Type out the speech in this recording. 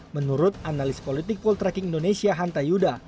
menurut analis politik poltreking indonesia hanta yuda